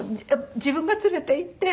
自分が連れていって。